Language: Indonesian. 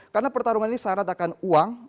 karena pertarungan ini syarat akan uang